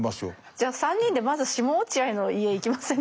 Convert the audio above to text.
じゃあ３人でまず下落合の家行きませんか。